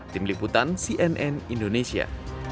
tim liputan cnn indonesia